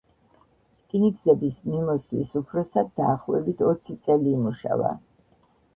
რკინიგზების მიმოსვლის უფროსად დაახლოებით ოცი წელი იმუშავა.